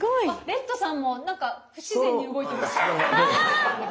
レッドさんも何か不自然に動いてます！